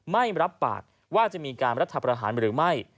ไม่รับปากว่าจะมีการรัฐประหารหรือไม่